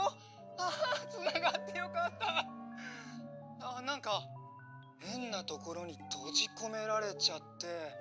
ああなんかへんなところにとじこめられちゃって。